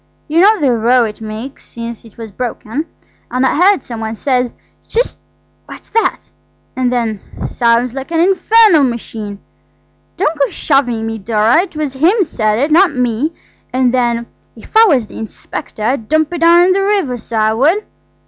You know the row it makes since it was broken, and I heard some one say, 'Shish! what's that?' and then, 'Sounds like an infernal machine'–don't go shoving me, Dora, it was him said it, not me–and then, 'If I was the inspector I'd dump it down in the river, so I would.